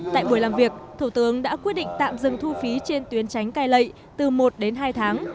tại buổi làm việc thủ tướng đã quyết định tạm dừng thu phí trên tuyến tránh cai lệ từ một đến hai tháng